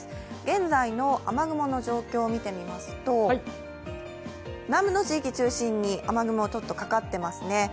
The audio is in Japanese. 現在の雨雲の状況を見てみますと、南部の地域を中心に雨雲がちょっとかかってますね。